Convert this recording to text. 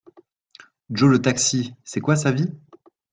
Joe le taxi, c'est quoi sa vie?